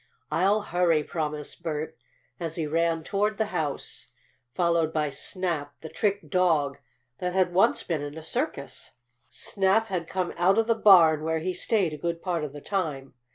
"I'll hurry," promised Bert, as he ran toward the house, followed by Snap, the trick dog that had once been in a circus. Snap had come out of the barn, where he stayed a good part of the time.